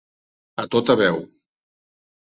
A tota veu.